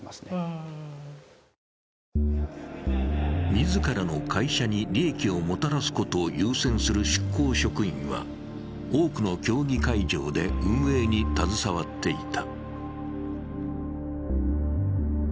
自らの会社に利益をもたらすことを優先する出向職員は多くの競技会場で運営に携わっていた。